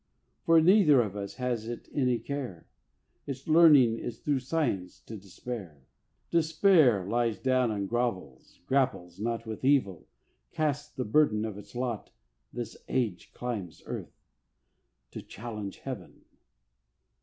For neither of us has it any care; Its learning is through Science to despair. Despair lies down and grovels, grapples not With evil, casts the burden of its lot. This Age climbs earth. To challenge heaven.